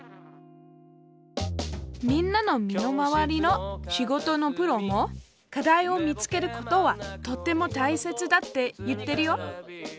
みんなの身の回りの仕事のプロも課題を見つけることはとってもたいせつだって言ってるよ。